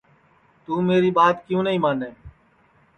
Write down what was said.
توں میری ٻات کیوں نائی مانے